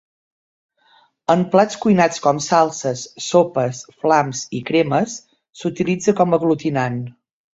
En plats cuinats com salses, sopes, flams i cremes s'utilitza com aglutinant.